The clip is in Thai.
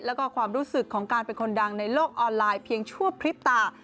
แล้วก็ความรู้สึกของการเป็นคนดังในโลกออนไลน์เพียงชั่วพริบตา